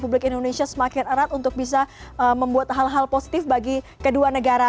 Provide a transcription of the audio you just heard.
jadi kita berharap bahwa rrt semakin erat untuk bisa membuat hal hal positif bagi kedua negara